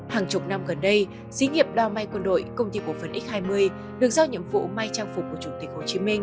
hàng chục năm gần đây dĩ nghiệp đo mai quân đội công ty cổ phần x hai mươi được giao nhiệm vụ mai trang phục của chủ tịch hồ chí minh